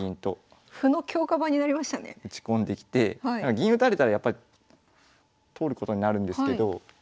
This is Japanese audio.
銀打たれたらやっぱり取ることになるんですけど。